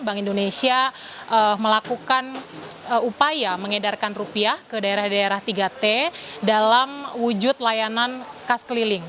bank indonesia melakukan upaya mengedarkan rupiah ke daerah daerah tiga t dalam wujud layanan kas keliling